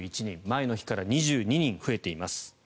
前の日から２２人増えています。